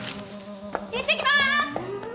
いってきまーす！